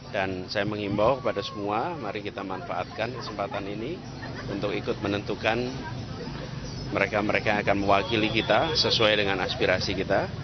dan saya mengimbau kepada semua mari kita manfaatkan kesempatan ini untuk ikut menentukan mereka mereka yang akan mewakili kita sesuai dengan aspirasi kita